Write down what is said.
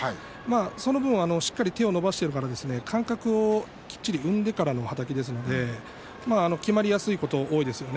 その分しっかりと手を伸ばして間隔をきっちり生んでからのはたきですのできまりやすいことが多いですよね。